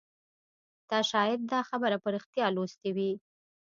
تا شاید دا خبر په ریښتیا لوستی وي